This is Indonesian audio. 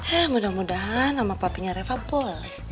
eh mudah mudahan nama papinya reva boy